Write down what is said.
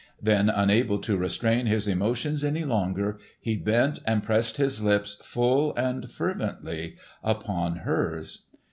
Then unable to restrain his emotions any longer he bent and pressed his lips full and fervently upon hers.